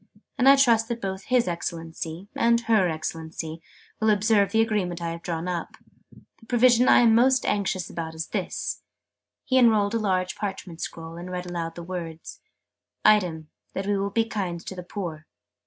And I trust that both 'His Excellency' and 'Her Excellency' will observe the Agreement I have drawn up. The provision I am most anxious about is this." He unrolled a large parchment scroll, and read aloud the words "'item, that we will be kind to the poor.'